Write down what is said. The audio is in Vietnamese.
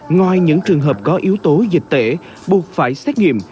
ngoài những trường hợp có yếu tố dịch tễ buộc phải xét nghiệm